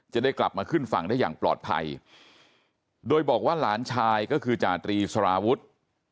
จะได้กลับมาขึ้นฝั่งได้อย่างปลอดภัยโดยบอกว่าหลานชายก็คือจาตรีสารวุฒิ